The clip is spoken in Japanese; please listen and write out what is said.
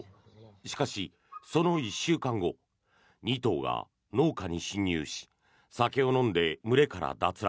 しかし、その１週間後２頭が農家に侵入し酒を飲んで、群れから脱落。